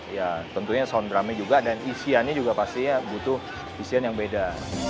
ya tentunya sound drumnya juga dan isiannya juga pastinya butuh isian yang beda